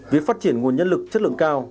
việc phát triển nguồn nhân lực chất lượng cao